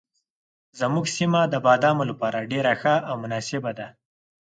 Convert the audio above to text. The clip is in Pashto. زموږ سیمه د بادامو لپاره ډېره ښه او مناسبه ده.